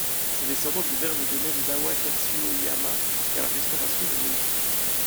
Ses descendants gouvernent le domaine d'Awa-Katsuyama jusqu'à la restauration de Meiji.